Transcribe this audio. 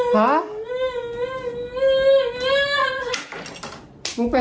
หัวฟาดพื้น